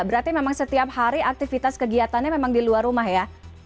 berarti memang setiap hari aktivitas kegiatannya memang di luar rumah ya